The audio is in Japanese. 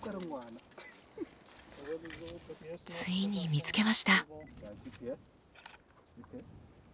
ついに見つけました。